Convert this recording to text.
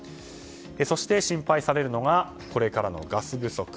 そして心配されるのがこれからのガス不足。